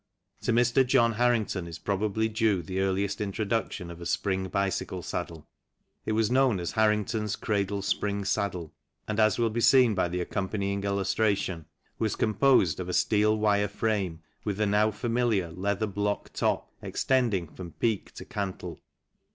To Mr. John Harrington is probably due the earliest introduction of a spring bicycle saddle : it was known as Harrington's Cradle Spring Saddle and, as will be seen by the accompanying illustration, was 96 ACCESSORIES 97 composed of a steel wire frame, with the now familiar leather blocked top extending from peak to cantle.